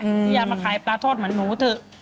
พี่อย่ามาขายปลาทอดเหมือนหนูเถอะ